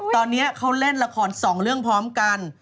ตอนนี้เขาเล่นละคร๒เรื่องพร้อมกัน